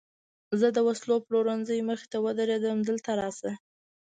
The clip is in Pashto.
زه د وسلو پلورنځۍ مخې ته ودرېدم، دلته راشه.